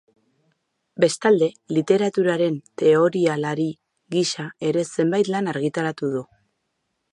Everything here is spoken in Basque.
Bestalde, literaturaren teorialari gisa ere zenbait lan argitaratu du.